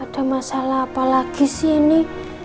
ada masalah apa lagi sih ini